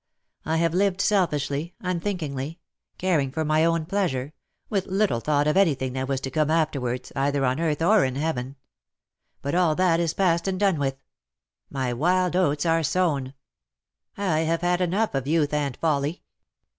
I have lived selfishly, un thinkingly — caring for my own pleasure — with little thought of anything that was to come afterwards, either on earth or in heaven. But all that is past and done with. My wild oats are sown ; I have had enough of youth and folly.